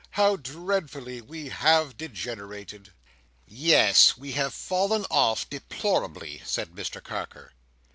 How dreadfully we have degenerated!" "Yes, we have fallen off deplorably," said Mr Carker.